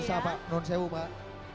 susah pak nonsewu pak